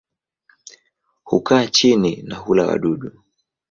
Hukaa chini na hula wadudu.